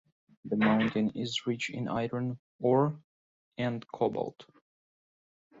The mountain is rich in iron ore and cobalt.